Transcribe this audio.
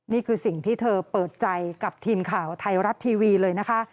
นี่คือสิ่งที่เธอเปิดใจกับทีมข่าวไทยรัฐทีวีเลยนะคะ